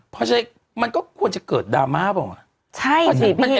เพราะฉะนั้นมันก็ควรจะเกิดดราม่าเปล่า